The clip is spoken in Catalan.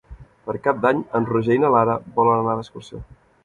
Per Cap d'Any en Roger i na Lara volen anar d'excursió.